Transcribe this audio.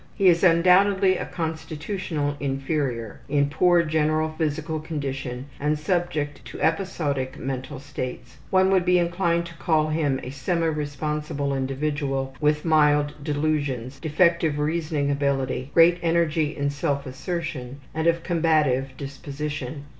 He is undoubtedly a constitutional inferior, in poor general physical condition and subject to episodic mental states. One would be inclined to call him a semi responsible individual with mild delusions, defective reasoning ability, great energy in self assertion, and of combative disposition.